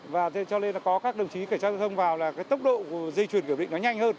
và thế cho nên là có các đồng chí cảnh sát giao thông vào là cái tốc độ dây chuyển kiểm định nó nhanh hơn